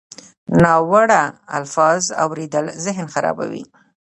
ناوړه الفاظ اورېدل ذهن خرابوي.